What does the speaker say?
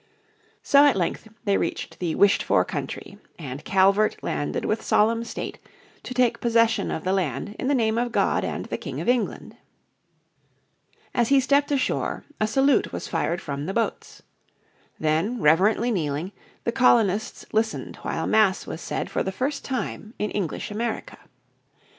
So at length they reached the "wished for country" and Calvert landed with solemn state to take possession of the land in the name of God and the King of England. As he stepped ashore a salute was fired from the boats. Then, reverently kneeling, the colonists listened while Mass was said for the first time in English America.